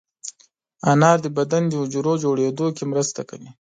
انار د بدن د حجرو جوړېدو کې مرسته کوي.